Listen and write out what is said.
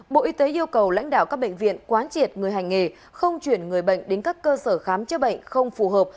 bộ y tế yêu cầu lãnh đạo các bệnh viện quán triệt người hành nghề không chuyển người bệnh đến các cơ sở khám chữa bệnh không phù hợp